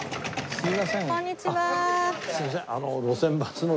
すいません。